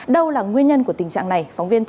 đâu là nguyên nhân của tình trạng này